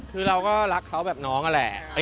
คือเราก็รักเขาแบบน้องนั่นแหละ